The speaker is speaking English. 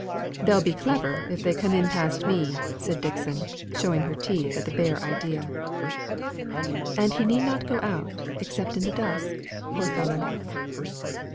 "They'll be clever if they come in past me!" said Dixon, showing her teeth at the bare idea. "And he need not go out, except in the dusk, poor fellow!"